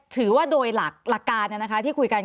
ถือว่าโดยหลักการที่คุยกัน